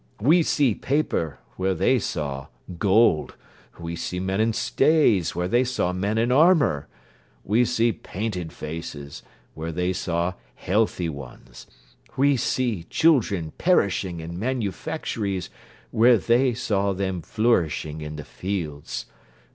We see paper, where they saw gold. We see men in stays, where they saw men in armour. We see painted faces, where they saw healthy ones. We see children perishing in manufactories, where they saw them flourishing in the fields.